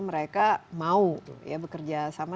mereka mau ya bekerja sama